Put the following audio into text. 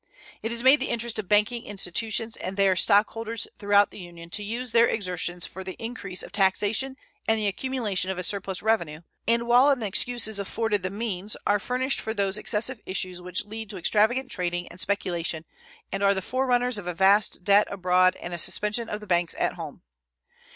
It is made the interest of banking institutions and their stockholders throughout the Union to use their exertions for the increase of taxation and the accumulation of a surplus revenue, and while an excuse is afforded the means are furnished for those excessive issues which lead to extravagant trading and speculation and are the forerunners of a vast debt abroad and a suspension of the banks at home.